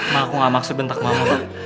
ma aku nggak maksud bentak mama ma